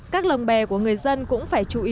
các lồng bè của người dân cũng phải chú ý ra khơi